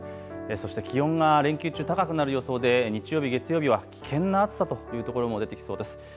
そして気温が連休中、高くなる予想で日曜日、月曜日は危険な暑さというところも出てきそうです。